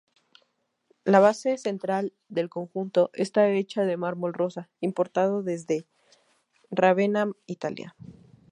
La base central del conjunto, está hecha de mármol rosa, importado desde Rávena, Italia.